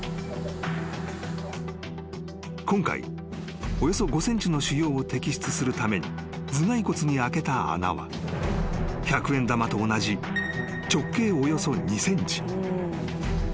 ［今回およそ５ｃｍの腫瘍を摘出するために頭蓋骨に開けた穴は百円玉と同じ直径およそ２ｃｍ］